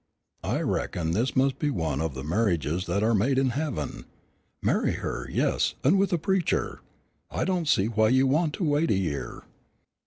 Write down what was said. I reckon this must be one of the marriages that are made in heaven. Marry her, yes, and with a preacher. I don't see why you want to wait a year."